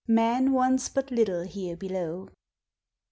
a MAX WANTS BUT LITTLE HERE BELOW."